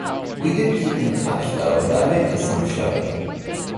We did keep in touch though and I went to some shows.